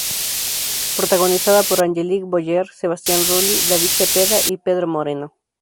Protagonizada por Angelique Boyer, Sebastián Rulli, David Zepeda y Pedro Moreno.